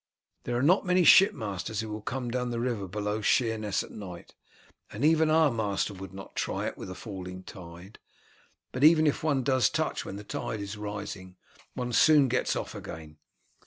There are not many ship masters who will come down the river below Sheerness at night, and even our master would not try it with a falling tide; but even if one does touch when the tide is rising, one soon gets off again.